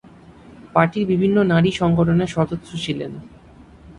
পার্টির বিভিন্ন নারী সংগঠনের সদস্য ছিলেন।